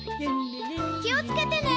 気をつけてね！